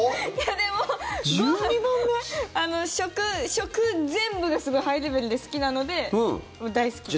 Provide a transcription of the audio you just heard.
食全部がすごいハイレベルで好きなのでもう大好きです。